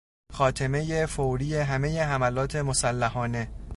خاتمهی فوری همهی حملات مسلحانه